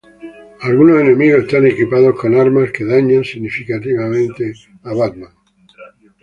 Algunos enemigos están equipados con armas que dañan significativamente a Batman.